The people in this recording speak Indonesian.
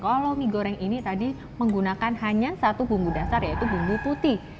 kalau mie goreng ini tadi menggunakan hanya satu bumbu dasar yaitu bumbu putih